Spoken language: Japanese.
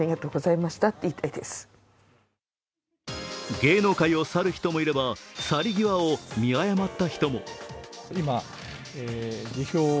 芸能界を去る人もいれば去り際を見誤った人も。